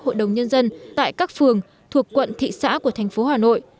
hội đồng nhân dân tại các phường thuộc quận thị xã của thành phố hà nội